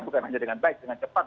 bukan hanya dengan baik dengan cepat